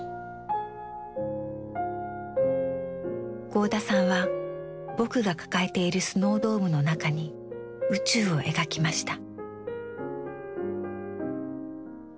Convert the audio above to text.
合田さんは「ぼく」が抱えているスノードームの中に宇宙を描きました。